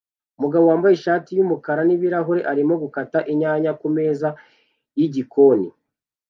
Umugabo wambaye ishati yumukara n ibirahure arimo gukata inyanya kumeza yigikoni